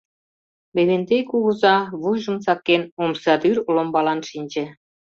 Левентей кугыза, вуйжым сакен, омсадӱр олымбалан шинче.